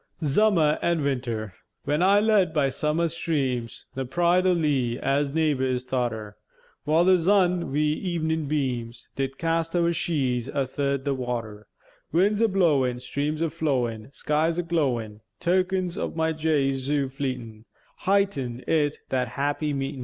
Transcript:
] ZUMMER AN' WINTER When I led by zummer streams The pride o' Lea, as naïghbours thought her, While the zun, wi' evenèn beams, Did cast our sheädes athirt the water: Winds a blowèn, Streams a flowèn, Skies a glowèn, Tokens ov my jay zoo fleetèn, Heightened it, that happy meetèn.